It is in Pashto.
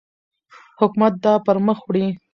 حکومت دا پرمخ وړي.